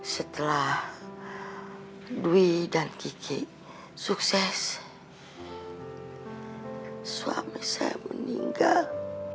setelah dwi dan kiki sukses suami saya meninggal